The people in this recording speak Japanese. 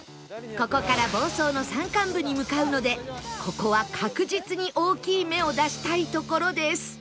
ここから房総の山間部に向かうのでここは確実に大きい目を出したいところです